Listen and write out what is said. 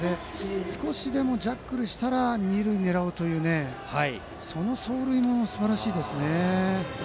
少しでもジャッグルしたら二塁を狙おうというその走塁もすばらしいですね。